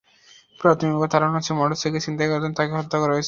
প্রাথমিকভাবে ধারণা করা হচ্ছে, মোটরসাইকেল ছিনতাই করার জন্য তাঁকে হত্যা করা হয়েছে।